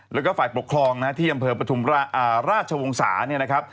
และฝ่ายปกครองที่อำเภอปฐุมราชวงศาสตร์